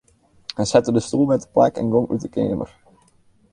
Hy sette de stoel wer teplak en gong út 'e keamer.